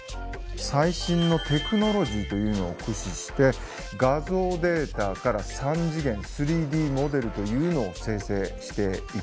最新のテクノロジーというのを駆使して画像データから３次元３Ｄモデルというのを生成していきました。